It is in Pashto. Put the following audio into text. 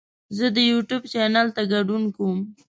زه د یوټیوب چینل ته ګډون کوم.